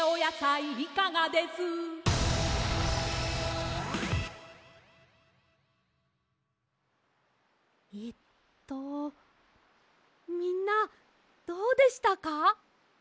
えっとみんなどうでしたか？